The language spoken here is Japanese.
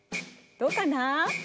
どうかな？